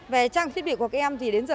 về trang phát biểu của các em thì đến giờ